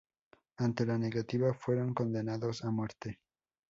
Ante la negativa fueron condenados a muerte.